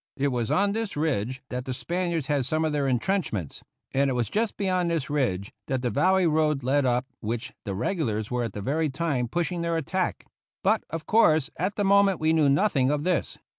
It was on this ridge that the Spaniards had some of their intrenchments, and it was just beyond this ridge that the Valley Road led, up which the regulars were at that very time pushing their attack; but, of course, at the moment we knew nothing of this.